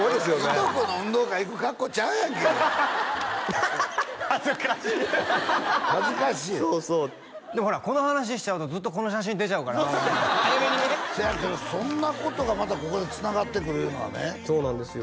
いとこの運動会行く格好ちゃうやんけ恥ずかしい恥ずかしいよでもほらこの話しちゃうとずっとこの写真出ちゃうからせやけどそんなことがまたここでつながってくるいうのはねそうなんですよ